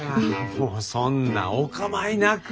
もうそんなおかまいなく。